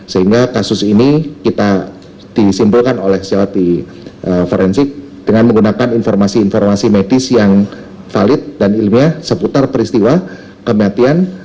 sehingga kasus ini kita disimpulkan